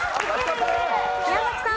宮崎さん。